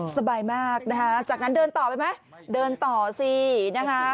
สบายมากนะคะจากนั้นเดินต่อไปไหมเดินต่อสินะคะ